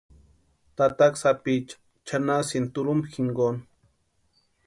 Tataka sápiicha chʼanasïnti turhumpu jinkoni.